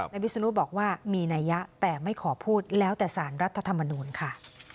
วิศนุบอกว่ามีนัยยะแต่ไม่ขอพูดแล้วแต่สารรัฐธรรมนูลค่ะ